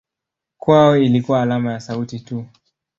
Kwao ilikuwa alama ya sauti tu.